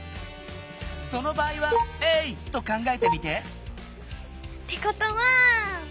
その場合は０と考えてみて！ってことは。